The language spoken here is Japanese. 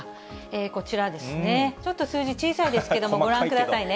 こちら、ちょっと数字小さいですけども、ご覧くださいね。